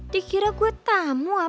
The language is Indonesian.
dikira gue tamu apa